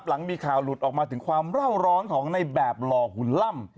หลังมีข่าวหลุดออกมาถึงความเล่าร้อนของในแบบหล่อหุ่นล่ำ